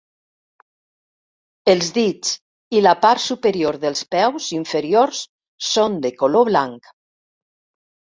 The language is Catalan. Els dits i la part superior dels peus inferiors són de color blanc.